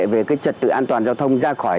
về cái trật tự an toàn giao thông ra khỏi